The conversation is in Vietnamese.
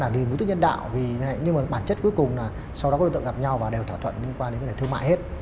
vì mục đích nhân đạo nhưng mà bản chất cuối cùng là sau đó có đối tượng gặp nhau và đều thỏa thuận liên quan đến thương mại hết